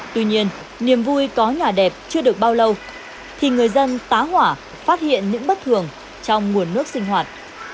tuy nhiên niềm vui có nhà đẹp chưa được bao lâu thì người dân tá hỏa phát hiện những bất thường trong nguồn nước sinh hoạt